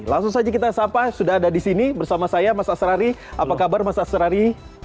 langsung saja kita sampai sudah ada di sini bersama saya mas asrari apa kabar mas asrari